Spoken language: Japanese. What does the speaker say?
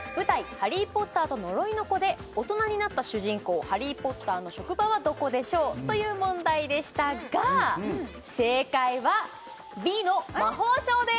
「ハリー・ポッターと呪いの子」で大人になった主人公ハリー・ポッターの職場はどこでしょう？という問題でしたが正解はＢの魔法省です！